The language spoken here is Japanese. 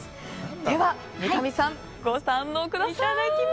では三上さん、ご堪能ください。